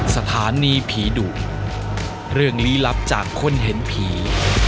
สถานีผีดุเรื่องลี้ลับจากคนเห็นผี